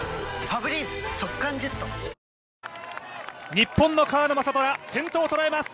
日本の川野将虎、先頭を捉えます。